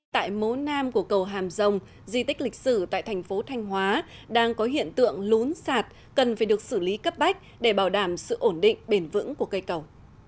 tại mố nam của cầu hàm rồng di tích lịch sử tại thành phố thanh hóa đang có hiện tượng lún sạt cần phải được xử lý cấp bách để bảo đảm sự ổn định bền vững của cây cầu